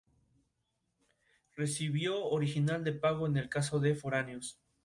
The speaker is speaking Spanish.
El Puente de los Mártires conecta dos de las principales avenidas de la ciudad.